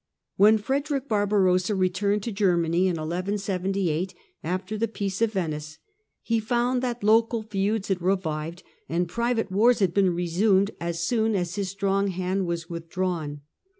When Frederick Barbarossa returned to Germany in 1178, after the Peace of Venice, he found that local feuds had revived and private wars had been resumed as soon as his strong hand was withdrawn.